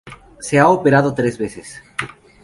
Se ha operado tres veces.